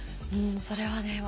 それはね